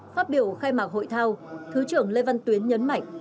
phát biểu khai mạc hội thao thứ trưởng lê văn tuyến nhấn mạnh